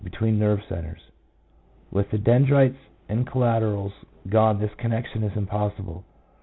between nerve centres. With the dendrites and collaterals gone this connec tion is impossible.